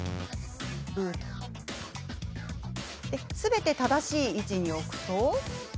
すべて正しい位置に置くと。